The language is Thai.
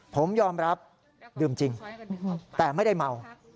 ผมยอมรับดื่มจริงแต่ไม่ได้เมา